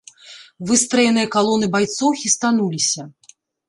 Выстраеныя калоны байцоў хістануліся.